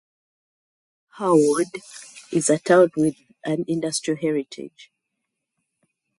Great Harwood is a town with an industrial heritage.